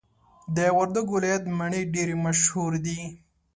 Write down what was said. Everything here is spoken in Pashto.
د وردګو ولایت مڼي ډیري مشهور دي.